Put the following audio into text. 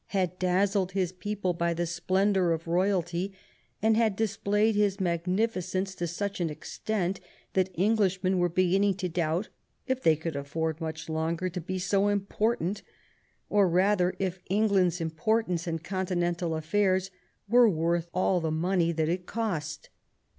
had dazzled his people by the splendour of royalty, and had displayed his magnificence to such an extent that Englishmen were beginning to doubt if they could aflPord much longer to be so important, or rather if England's importance in Continental affairs were worth all the money that it cost.